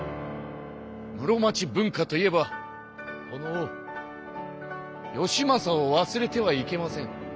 室町文化といえばこの義政をわすれてはいけません。